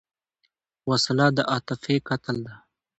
وسله د عاطفې قتل ده